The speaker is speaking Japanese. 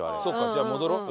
じゃあ戻ろう。